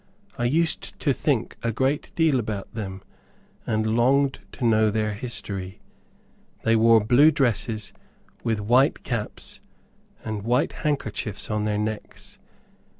I used to think a great deal about them, and longed to know their history. They wore blue dresses, with white caps, and white handkerchiefs on their necks.